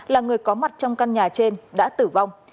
là người có mặt trong căn nhà trên đã tử vong